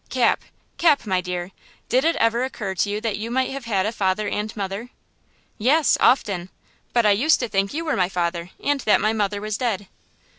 Cap, Cap, my dear, did it ever occur to you that you might have had a father and mother?" "Yes! often! But I used to think you were my father, and that my mother was dead."